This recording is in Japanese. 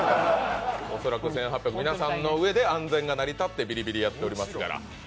恐らく１８００、皆さんの上で安全が成り立ってビリビリやっておりますから。